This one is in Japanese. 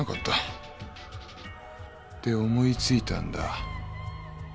で思いついたんだ。